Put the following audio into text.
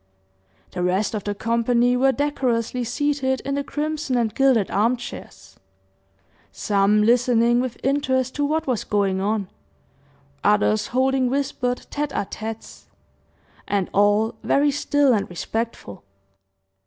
The rest of the company were decorously seated in the crimson and gilded arm chairs, some listening with interest to what was going on, others holding whispered tete a tetes, and all very still and respectful.